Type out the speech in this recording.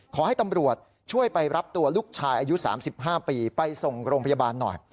ขอให้ตำรวจช่วยไปรับตัวลูกชายอายุ๓๕ปีไปส่งโรงพยาบาลหน่อย